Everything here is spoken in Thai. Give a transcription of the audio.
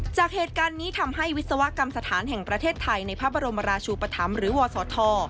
จากเหตุการณ์นี้ทำให้วิศวกรรมสถานแห่งประเทศไทยในพระบรมราชูปธรรมหรือวศธ